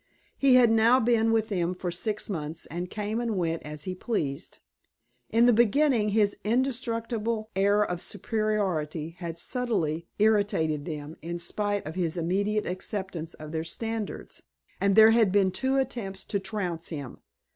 He had now been with them for six months and came and went as he pleased. In the beginning his indestructible air of superiority had subtly irritated them in spite of his immediate acceptance of their standards, and there had been two attempts to trounce him.